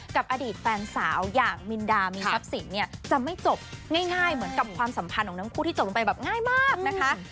กับอดีตแฟนสาวอย่างมินดามีทรัพย์สินเนี่ยจะไม่จบง่ายเหมือนกับความสัมพันธ์ของทั้งคู่ที่จบลงไปแบบง่ายมากนะคะ